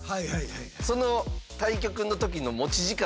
その対局の時の持ち時間